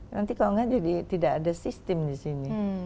nanti kalau enggak jadi tidak ada sistem di sini